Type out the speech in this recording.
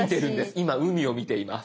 今海を見ています。